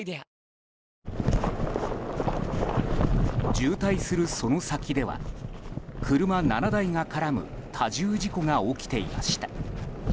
渋滞するその先では車７台が絡む多重事故が起きていました。